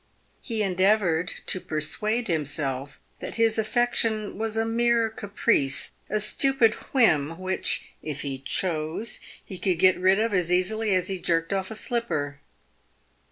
He endeavoured to persuade himself that his affection was a mere caprice, a stupid whim, which, if he chose, he could get rid of as easily as he jerked off a slipper.